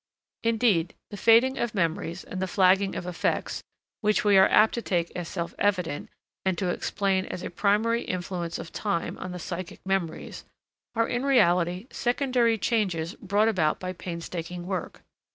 Indeed, the fading of memories and the flagging of affects, which we are apt to take as self evident and to explain as a primary influence of time on the psychic memories, are in reality secondary changes brought about by painstaking work.